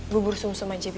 bubur sum sum aja bi